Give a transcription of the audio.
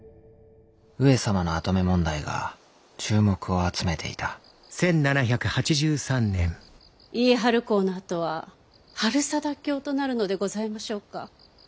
上様の跡目問題が注目を集めていた家治公の跡は治済卿となるのでございましょうか？